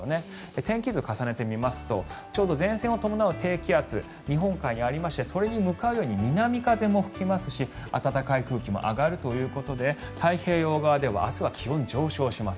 天気図を重ねてみますとちょうど前線を伴う低気圧が日本海にありましてそれに向かうように南風も吹きますし暖かい空気も上がるということで太平洋側では明日は気温上昇します。